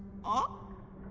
あっ。